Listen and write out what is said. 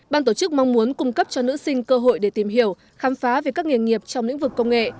ban tổ chức mong muốn cung cấp cho nữ sinh cơ hội để tìm hiểu khám phá về các nghề nghiệp trong lĩnh vực công nghệ